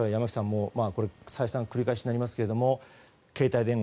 再三繰り返しになりますが携帯電話。